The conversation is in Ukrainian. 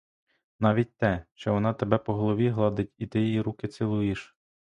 Навіть те, що вона тебе по голові гладить і ти їй руки цілуєш.